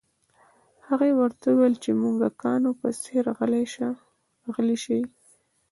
هغې ورته وویل چې د موږکانو په څیر غلي شي